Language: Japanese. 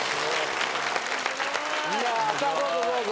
さあどうぞどうぞ。